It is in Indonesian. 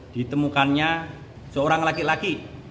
ditemukannya seorang laki laki